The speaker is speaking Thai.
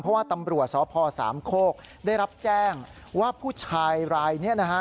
เพราะว่าตำรวจสพสามโคกได้รับแจ้งว่าผู้ชายรายนี้นะฮะ